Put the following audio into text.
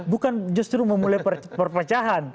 bukan justru memulai perpecahan